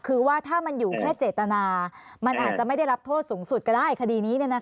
คือว่าถ้ามันอยู่แค่เจตนามันอาจจะไม่ได้รับโทษสูงสุดก็ได้คดีนี้